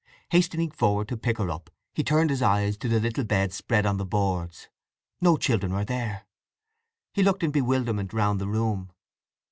Hastening forward to pick her up he turned his eyes to the little bed spread on the boards; no children were there. He looked in bewilderment round the room.